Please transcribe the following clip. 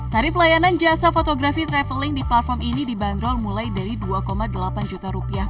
tarif layanan jasa fotografi traveling di platform ini dibanderol mulai dari dua delapan juta rupiah